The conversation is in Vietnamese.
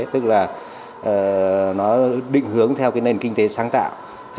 tức là nó định hướng theo cái nền kinh tế sáng tạo